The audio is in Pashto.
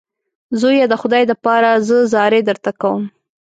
زویه د خدای دپاره زه زارۍ درته کوم.